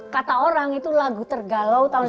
kata orang itu lagu tergalau tahun seribu sembilan ratus